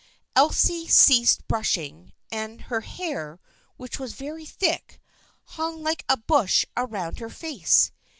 Elsie ceased brush ing, and her hair, which was very thick, hung like a bush around her face.